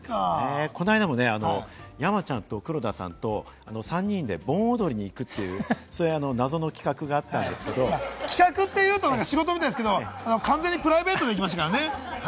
この間もね、山ちゃんと黒田さんと３人で盆踊りに行くという企画っていうと仕事みたいですけれども、完全にプライベートで行きましたからね。